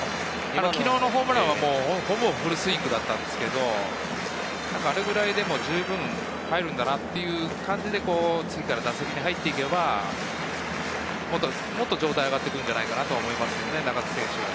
昨日のホームランはほぼフルスイングだったんですけれど、あれくらいでも十分入るんだなという感じで、次から打席に入っていけば、もっと状態が上がってくるのではないかと思います。